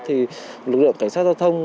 thì lực lượng cảnh sát giao thông